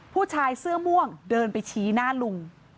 ผู้ชายเสื้อม่วงเดินไปชี้หน้าลุง